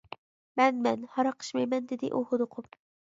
مەن. مەن. ھاراق ئىچمەيمەن. دېدى ئۇ ھودۇقۇپ.